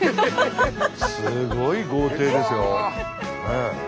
すごい豪邸ですよ。